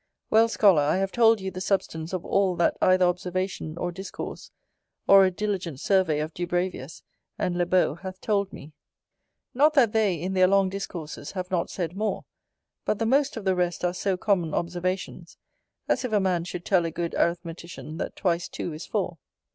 Well, Scholar, I have told you the substance of all that either observation or discourse, or a diligent survey of Dubravius and Lebault hath told me: not that they, in their long discourses, have not said more; but the most of the rest are so common observations, as if a man should tell a good arithmetician that twice two is four.